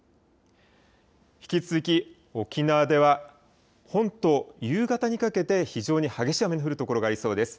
引き続き沖縄では本島、夕方にかけて非常に激しい雨の降る所がありそうです。